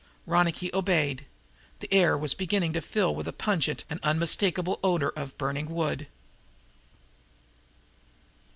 Ronicky obeyed; the air was beginning to fill with the pungent and unmistakable odor of burning wood!